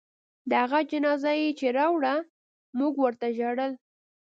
د هغه جنازه چې يې راوړه موږ ورته ژړل.